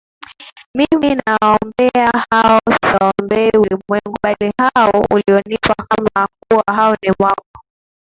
Mimi nawaombea hao siuombei ulimwengu bali hao ulionipa kwa kuwa hao ni wako